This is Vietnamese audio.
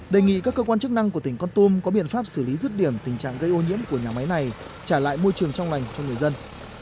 đề nghị các cơ quan chức năng của tỉnh con tum có biện pháp xử lý rứt điểm tình trạng gây ô nhiễm của nhà máy này trả lại môi trường trong lành cho người dân